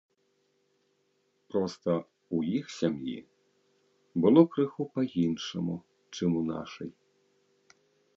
Проста, у іх сям'і было крыху па-іншаму, чым у нашай.